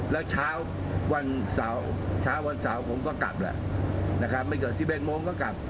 แล้วเช้าวันเสาร์ผมก็กลับแหละไม่เกิด๑๑โมงก็กลับ